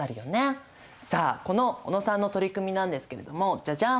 さあこの小野さんの取り組みなんですけれどもジャジャン！